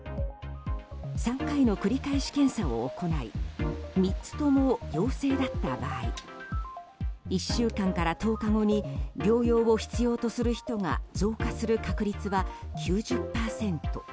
３回の繰り返し検査を行い３つとも陽性だった場合１週間から１０日後に療養を必要とする人が増加する確率は９０％。